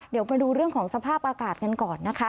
เดี๋ยวมาดูเรื่องของสภาพอากาศกันก่อนนะคะ